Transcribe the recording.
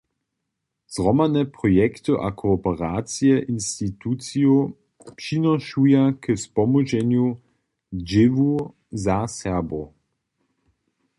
Zhromadne projekty a kooperacije institucijow přinošuja k spomóžnemu dźěłu za Serbow.